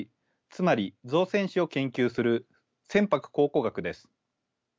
つまり造船史を研究する船舶考古学です。